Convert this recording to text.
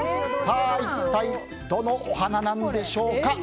一体どのお花なんでしょうか。